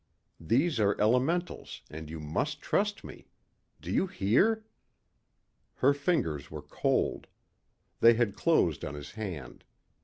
These are elementals and you must trust me. Do you hear?" Her fingers were cold. They had closed on his hand.